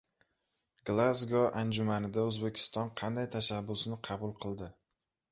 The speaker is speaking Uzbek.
Glazgo anjumanida O‘zbekiston qanday tashabbusni qabul qildi?